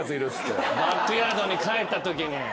バックヤードに帰ったときに。